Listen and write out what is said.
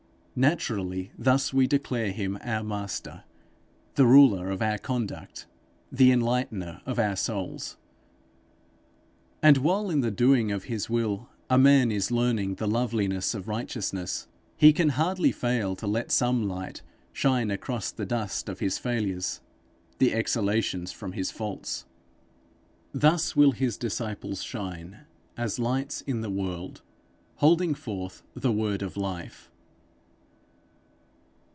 Naturally thus we declare him our master, the ruler of our conduct, the enlightener of our souls; and while in the doing of his will a man is learning the loveliness of righteousness, he can hardly fail to let some light shine across the dust of his failures, the exhalations from his faults. Thus will his disciples shine as lights in the world, holding forth the Word of life.